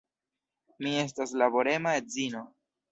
Mi estas laborema edzino.